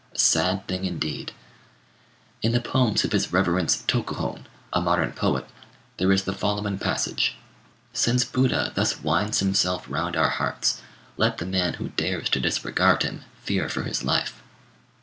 A sad thing indeed! In the poems of his Reverence Tokuhon, a modern poet, there is the following passage: "Since Buddha thus winds himself round our hearts, let the man who dares to disregard him fear for his life."